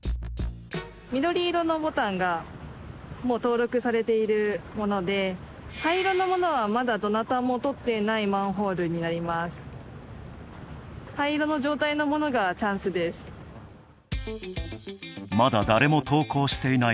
緑色のボタンが登録されているもので灰色のものは、まだ、どなたも撮っていないマンホールになっています。